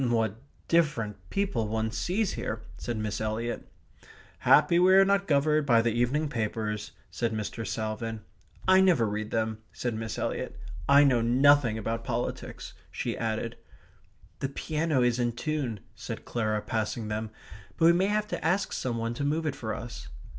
"What different people one sees here!" said Miss Eliot. "Happily we are not governed by the evening papers," said Mr. Salvin. "I never read them," said Miss Eliot. "I know nothing about politics," she added. "The piano is in tune," said Clara, passing them, "but we may have to ask some one to move it for us."